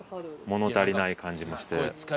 物足りない感じもして。